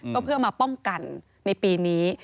ก็เพื่อมาป้องกันในปีนี้